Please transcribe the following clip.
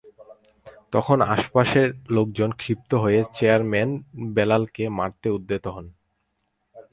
তখন আশপাশের লোকজন ক্ষিপ্ত হয়ে চেয়ারম্যান বেলালকে মারতে উদ্যত হন।